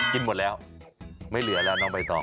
หมดแล้วไม่เหลือแล้วน้องใบตอง